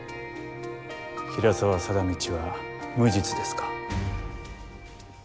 平沢貞通は無実ですか？